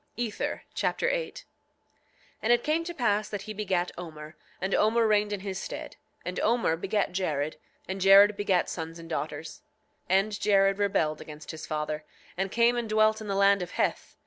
Ether Chapter 8 8:1 And it came to pass that he begat Omer, and Omer reigned in his stead. And Omer begat Jared; and Jared begat sons and daughters. 8:2 And Jared rebelled against his father, and came and dwelt in the land of Heth.